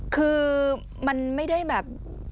คือมันไม่ได้แบบ